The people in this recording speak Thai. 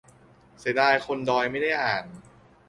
- เสียดายคนดอยไม่ได้อ่าน